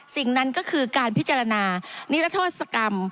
สิ่งนั้นก็คือการพิจารณานิรโทษกรรม